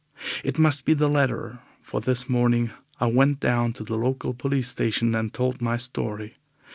It must be the latter, for this morning I went down to the local police station and told my story.